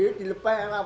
tapi dilepaskan lah pak